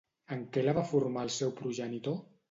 En què la va formar el seu progenitor?